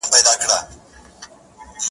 چي قاتِل مي د رڼا تر داره یو سم,